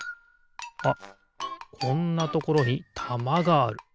あっこんなところにたまがある。